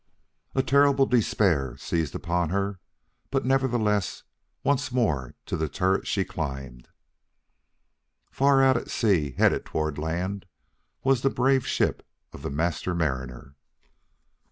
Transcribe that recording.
A terrible despair seized upon her, but nevertheless once more to the turret she climbed. Far out at sea, headed toward land, was the brave ship of the Master Mariner!